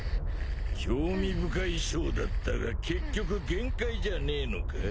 興味深いショーだったが結局限界じゃねえのか？